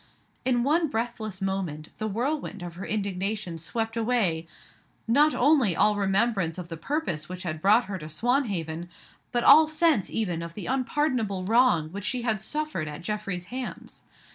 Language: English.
In one breathless moment the whirlwind of her indignation swept away, not only all remembrance of the purpose which had brought her to Swanhaven, but all sense even of the unpardonable wrong which she had suffered at Geoffrey's hands.